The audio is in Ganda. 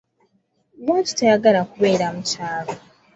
Lwaki toygala kubeera mu kyalo?